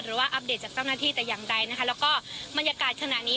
อัปเดตจากเจ้าหน้าที่แต่อย่างใดนะคะแล้วก็บรรยากาศขณะนี้